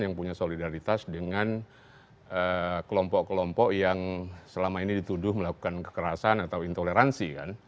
yang punya solidaritas dengan kelompok kelompok yang selama ini dituduh melakukan kekerasan atau intoleransi